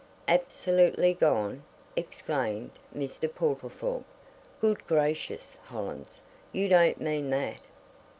"Absolutely gone?" exclaimed Mr. Portlethorpe. "Good gracious, Hollins! you don't mean that!"